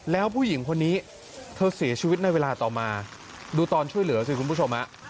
แล้วผู้หญิงคนนี้เธอเสียชีวิตในเวลาต่อมาดูตอนช่วยเหลือสิคุณผู้ชมฮะ